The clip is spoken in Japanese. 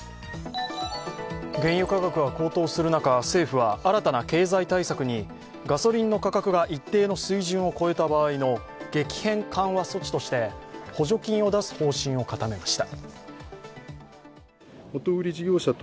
原油価格が高騰する中、政府は新たな経済対策にガソリンの価格が一定の水準を超えた場合の激変緩和措置として補助金を出す方針を固めました。